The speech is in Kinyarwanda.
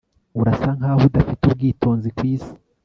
urasa nkaho udafite ubwitonzi kwisi